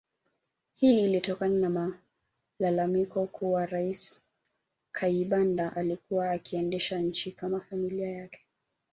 Hii ilitokana na malalamiko kuwa Rais Kayibanda alikuwa akiendesha nchi kama familia yake